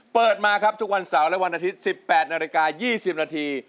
เปิดมาครับทุกวันเสาร์และวันอาทิตย์๑๘นาฬิกา๒๐นาที